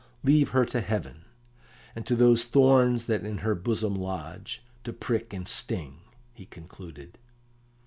"Leave her to heaven, and to those thorns that in her bosom lodge, to prick and sting," he concluded.